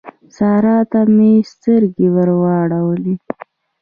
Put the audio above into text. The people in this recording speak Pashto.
سارا ته مې سترګې ور واړولې.